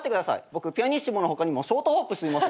僕ピアニッシモの他にもショートホープ吸います。